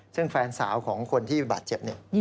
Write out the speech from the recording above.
ซึ่งแฟนสาวของคนที่บาดเจ็บเนี่ย